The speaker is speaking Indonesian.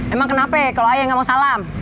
emang kenapa ya kalau ayah nggak mau salam